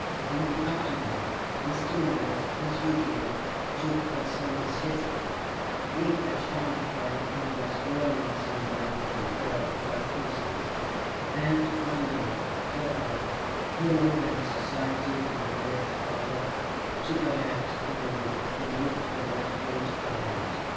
In the afternoon Mrs. Morris, as usual, took her summer siesta; Dick had found a friend, and was whirling somewhere behind a pair of fast horses; and, finally, Bertha, bored by the society in the ladies' parlor, took her hat and a book and walked over to Goat Island.